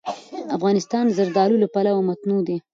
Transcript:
افغانستان د زردالو له پلوه متنوع دی.